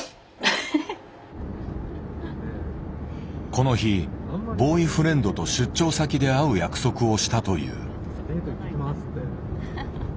この日ボーイフレンドと出張先で会う約束をしたという。